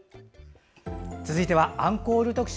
続いては「アンコール特集」。